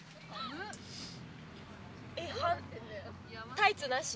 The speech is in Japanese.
タイツなし？